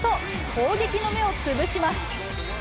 攻撃の芽を潰します。